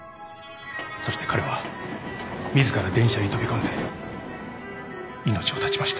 そして彼は自ら電車に飛び込んで命を絶ちました。